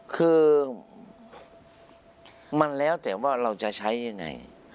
คือมันแล้วแต่ว่าเราจะใช้ยังไง